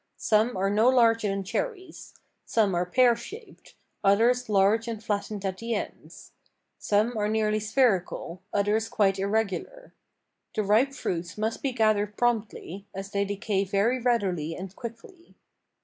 Some are no larger than cherries. Some are pear shaped; others large and flattened at the ends. Some are nearly spherical, others quite irregular. The ripe fruits must be gathered promptly, as they decay very readily and quickly.